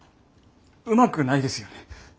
うまくないですよね。